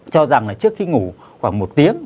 cho rằng là trước khi ngủ khoảng một tiếng